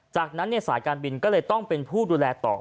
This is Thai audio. จากนั้นสายการบินก็เลยต้องเป็นผู้ดูแลต่อ